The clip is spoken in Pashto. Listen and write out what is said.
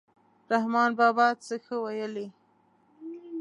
رحمان بابا څه ښه ویلي.